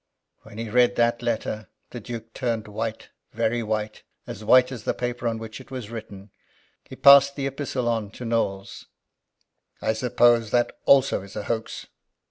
_" When he read that letter the Duke turned white very white, as white as the paper on which it was written. He passed the epistle on to Knowles. "I suppose that also is a hoax?"